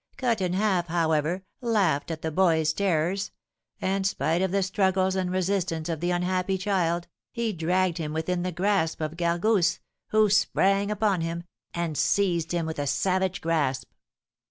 Cut in Half, however, laughed at the boy's terrors, and, spite of the struggles and resistance of the unhappy child, he dragged him within the grasp of Gargousse, who sprang upon him, and seized him with a savage grasp."